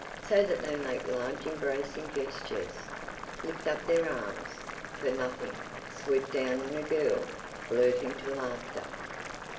so that they make large embracing gestures, lift up their arms, for nothing, swoop down on a girl, blurt into laughter.